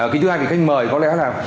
cái thứ hai khách mời có lẽ là